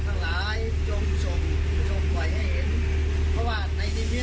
ก็ขอวอนคุณทิศเห็นทั้งหลายนั้นหวายชีวิต